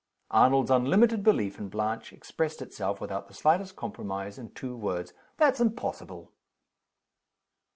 Arnold's unlimited belief in Blanche expressed itself, without the slightest compromise, in two words: "That's impossible!"